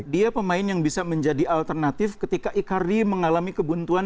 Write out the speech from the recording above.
dia pemain yang bisa menjadi alternatif ketika icardi mengalami kebuntuan